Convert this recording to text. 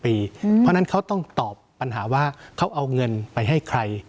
เพราะฉะนั้นเขาต้องตอบปัญหาว่าเขาเอาเงินไปให้ใคร